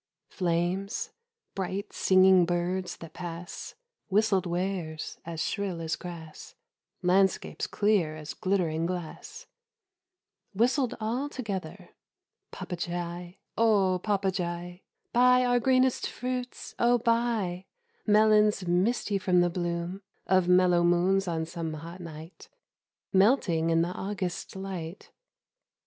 Flames, bright singing birds that pass, Whistled wares as shrill as grass (Landscapes clear as glittering glass) Whistled all together : Papagei, oh Papagei, Buy our greenest fruits, oh buy Melons misty from the bloom Of mellow moons on some hot night, Melting in the August light ; 81 Sugar for the Birds.